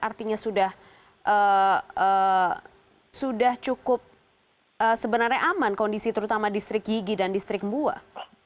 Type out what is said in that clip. artinya sudah cukup sebenarnya aman kondisi terutama distrik yigi dan distrik buah